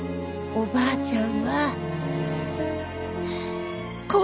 おばあちゃん。